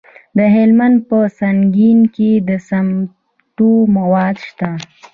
د هلمند په سنګین کې د سمنټو مواد شته.